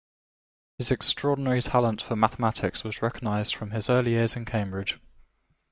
His extraordinary talent for mathematics was recognised from his early years in Cambridge.